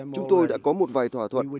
chúng tôi đã có một vài thỏa thuận